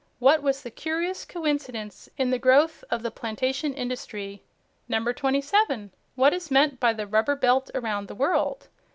What was the curious coincidence in the growth of the plantation industry? 27. What is meant by the Rubber Belt around the world?